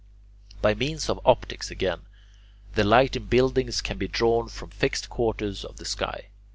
By means of optics, again, the light in buildings can be drawn from fixed quarters of the sky.